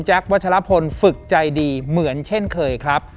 วัชลพลฝึกใจดีเหมือนเช่นเคยครับ